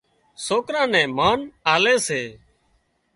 سوڪران نين مانَ آلي سي